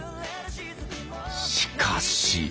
しかし。